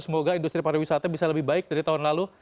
semoga industri pariwisata bisa lebih baik dari tahun lalu